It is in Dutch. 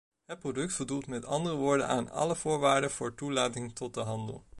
Het product voldoet met andere woorden aan alle voorwaarden voor toelating tot de handel.